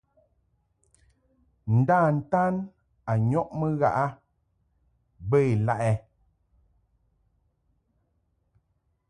Nda-ntan a nyɔʼmɨ ghaʼ a bə ilaʼ ɛ ?